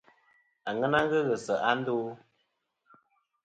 Aŋena ghɨ ghɨ se'a ndo ?